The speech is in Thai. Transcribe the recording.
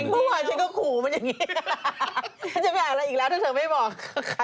แองจี้ถ้าเธอไม่บอกฉันจะไม่อ่านอะไรเลยสักคำ